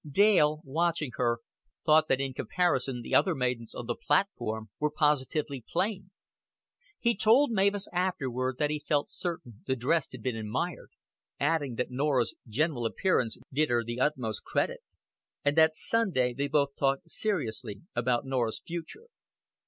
Dale, watching her, thought that in comparison the other maidens on the platform were positively plain. He told Mavis afterward that he felt certain the dress had been admired, adding that Norah's general appearance did her the utmost credit. And that Sunday they both talked seriously about Norah's future.